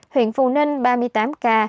huyện phù ninh ba mươi tám ca